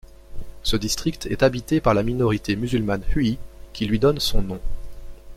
Ce district est habité par la minorité musulmane Hui qui lui donne son nom.